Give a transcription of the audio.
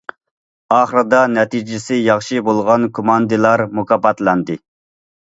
ئاخىرىدا نەتىجىسى ياخشى بولغان كوماندىلار مۇكاپاتلاندى.